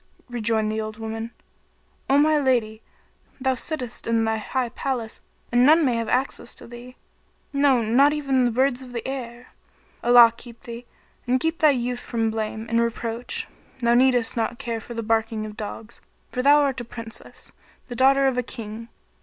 Rejoined the old woman, "o my lady, thou sittest in thy high palace and none may have access to thee; no, not even the birds of the air. Allah keep thee, and keep thy youth from blame and reproach! Thou needest not care for the barking of dogs, for thou art a Princess, the daughter of a King.